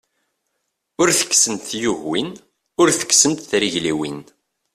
Ur tekksent tyugiwin, ur tekksent trigliwin.